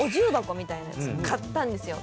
みたいなやつ買ったんですよ。